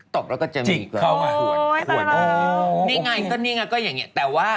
ตบแล้วจะมีกว่า